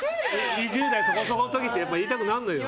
２０代そこそこの時って言いたくなるのよ。